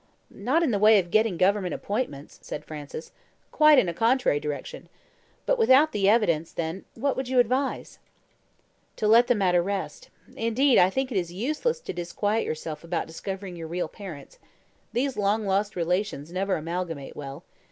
"Not in the way of getting government appointments," said Francis "quite in a contrary direction. But without the evidence, then, what would you advise?" "To let the matter rest. Indeed, I think it is useless to disquiet yourself about discovering your real parents. These long lost relations never amalgamate well.